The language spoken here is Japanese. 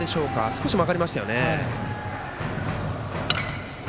少し曲がりましたよね。